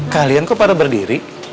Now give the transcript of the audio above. kalian kok pada berdiri